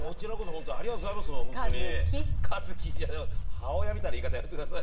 母親みたいな言い方やめてください。